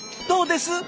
どうです？